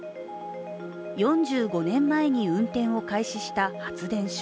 ４５年前に運転を開始した発電所。